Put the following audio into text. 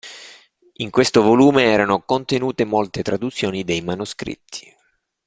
In questo volume erano contenute molte traduzioni dei manoscritti.